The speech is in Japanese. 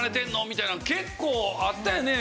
みたいなの結構あったよね。